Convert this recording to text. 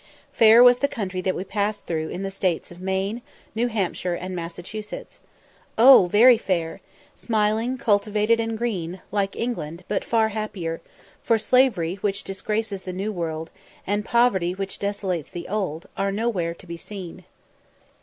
Fair was the country that we passed through in the States of Maine, New Hampshire, and Massachusetts. Oh very fair! smiling, cultivated, and green, like England, but far happier; for slavery which disgraces the New World, and poverty which desolates the Old, are nowhere to be seen.